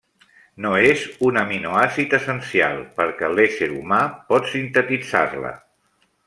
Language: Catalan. No és un aminoàcid essencial perquè l'ésser humà pot sintetitzar-la.